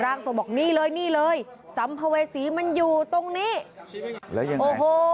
ทรงบอกนี่เลยนี่เลยสัมภเวษีมันอยู่ตรงนี้แล้วยังไงโอ้โห